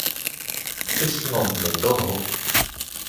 即使我唔明都好